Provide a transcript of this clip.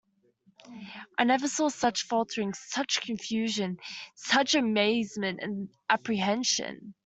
I never saw such faltering, such confusion, such amazement and apprehension.